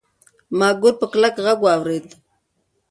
ما ګور په کلک غږ واورېد.